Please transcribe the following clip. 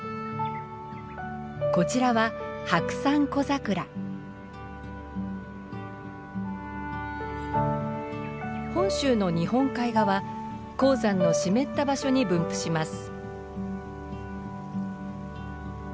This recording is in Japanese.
こちらは本州の日本海側高山の湿った場所に分布します。